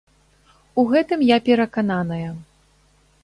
У гэтым я перакананая.